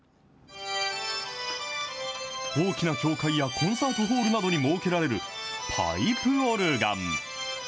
大きな教会やコンサートホールなどに設けられるパイプオルガン。